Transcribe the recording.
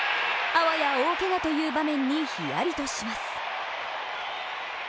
あわや大けがという場面にヒヤリとします。